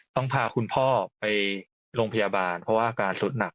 พาคุณพ่อไปโรงพยาบาลเพราะว่าอาการสุดหนัก